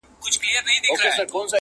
عاشقان د ترقۍ د خپل وطن یو.!